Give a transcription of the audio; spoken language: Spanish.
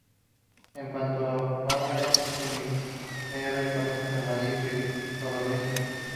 En cuanto a fauna existen liebres, conejos, armadillos y codornices.